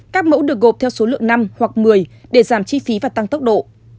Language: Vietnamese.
các mẫu được gộp theo số lượng năm hoặc một mươi để giảm chi phí và tăng tốc độ